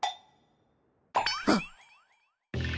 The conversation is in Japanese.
あっ。